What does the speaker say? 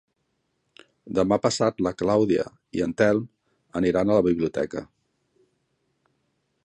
Demà passat na Clàudia i en Telm aniran a la biblioteca.